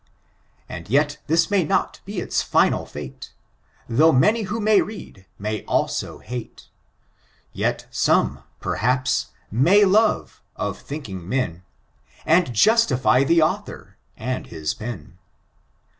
And yet this may not be its final fate. Though many who may read, may also ?imie — Yet »ome, perhaps, may hve, of thinking men, And justify the author and his pen.